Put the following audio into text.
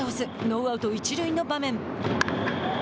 ノーアウト、一塁の場面。